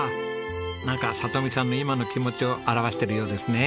なんか里美さんの今の気持ちを表しているようですね。